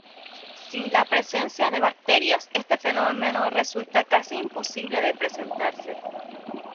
Sin la presencia de bacterias este fenómeno resulta casi imposible de presentarse.